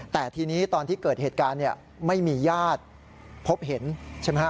แต่ทีนี้ตอนที่เกิดเหตุการณ์เนี่ยไม่มีญาติพบเห็นใช่ไหมฮะ